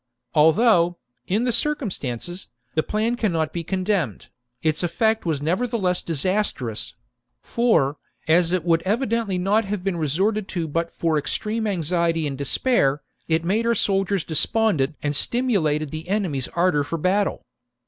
Although, in the circumstances, the plan cannot be con demned, its effect was nevertheless disastrous ; for, as it would evidently not have been resorted to but for extreme anxiety and despair, it made our soldiers despondent and stimulated the enemy's ardour for battle.